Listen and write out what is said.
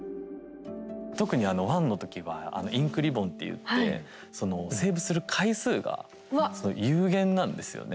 特にあの「１」の時はあの「インクリボン」って言ってそのセーブする回数がその有限なんですよね。